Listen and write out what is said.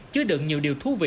chứa đựng nhiều điều thú vị